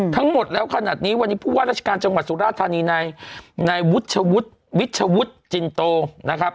ทั้งหมดแล้วขนาดนี้วันนี้ผู้ว่าราชการจังหวัดสุราธานีในวุฒิวิชวุฒิจินโตนะครับ